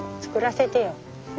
作らせてよ。